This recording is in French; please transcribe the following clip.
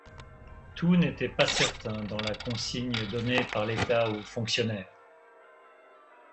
Tout n’était pas certain dans la consigne donnée par l’état au fonctionnaire!